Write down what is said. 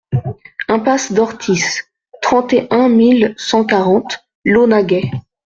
IMPASSE DORTIS, trente et un mille cent quarante Launaguet